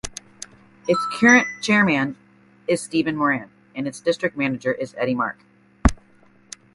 Its current chairman is Stephen Moran, and its district manager is Eddie Mark.